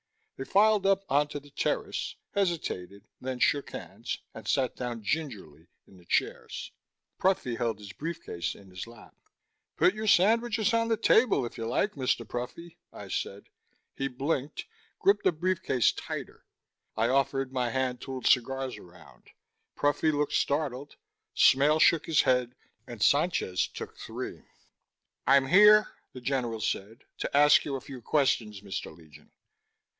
They filed up onto the terrace, hesitated, then shook hands, and sat down gingerly in the chairs. Pruffy held his briefcase in his lap. "Put your sandwiches on the table, if you like, Mr. Pruffy," I said. He blinked, gripped the briefcase tighter. I offered my hand tooled cigars around; Pruffy looked startled, Smale shook his head, and Sanchez took three. "I'm here," the general said, "to ask you a few questions, Mr. Legion.